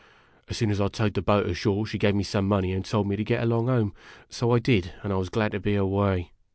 As soon as I towed the boat ashore, she gave me some money and told me to get along home. So I did, and I was glad to be away.